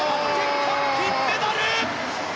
金メダル！